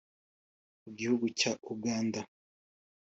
Mu gihugu cya Uganda